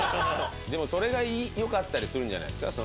でもそれがよかったりするんじゃないですか？